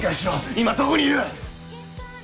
今どこにいる！？